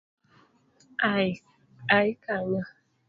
Ai kanyo!